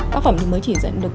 tác phẩm thì mới chỉ dẫn được